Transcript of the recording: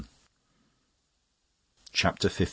CHAPTER XV.